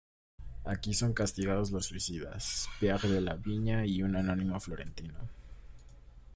Aquí son castigados los suicidas: Pier della Vigna y un anónimo florentino.